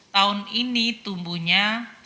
tahun ini tumbuhnya sembilan dua